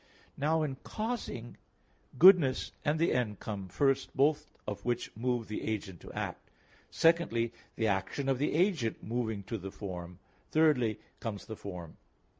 Now in causing, goodness and the end come first, both of which move the agent to act; secondly, the action of the agent moving to the form; thirdly, comes the form.